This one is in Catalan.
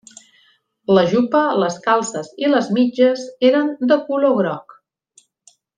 La jupa, les calces i les mitges eren de color groc.